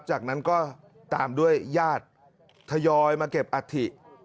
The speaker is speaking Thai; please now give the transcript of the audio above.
จากนั้นก็ตามด้วยญาติทยอยมาเก็บอัฐิ